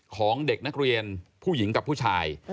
ของเด็กนักเรียนผู้หญิงกับผู้ชาย